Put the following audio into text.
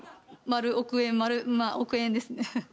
○億円まあ億円ですね